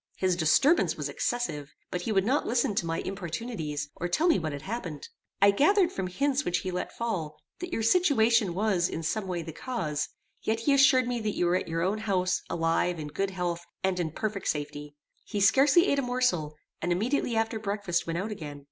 His disturbance was excessive; but he would not listen to my importunities, or tell me what had happened. I gathered from hints which he let fall, that your situation was, in some way, the cause: yet he assured me that you were at your own house, alive, in good health, and in perfect safety. He scarcely ate a morsel, and immediately after breakfast went out again.